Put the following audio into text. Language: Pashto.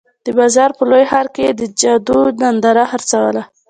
د بازار په لوی میدان کې یې د جادو ننداره خرڅوله.